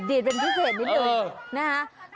ดีดเป็นพิเศษนิดหนึ่ง